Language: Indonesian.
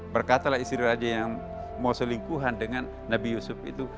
berkata la istri raja yang selingkuhan dengan nabi yusuf itu